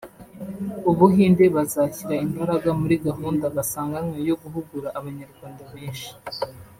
u Buhinde bazashyira imbaraga muri gahunda basanganywe yo guhugura Abanyarwanda benshi